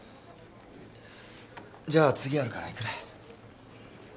じゃあ次あるから行くね。